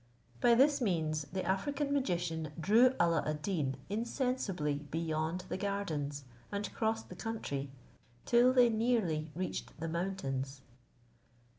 By this means, the African magician drew Alla ad Deen insensibly beyond the gardens, and crossed the country, till they nearly reached the mountains.